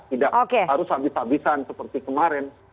tidak harus habis habisan seperti kemarin